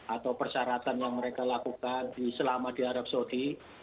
atau persyaratan yang mereka lakukan selama di arab saudi